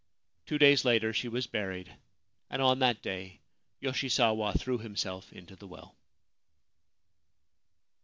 Two days later she was buried, and on that day Yoshisawa threw himself into the well.